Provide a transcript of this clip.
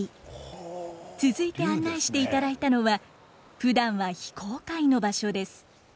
続いて案内していただいたのはふだんは非公開の場所です。